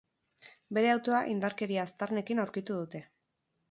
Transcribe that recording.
Bere autoa indarkeria aztarnekin aurkitu dute.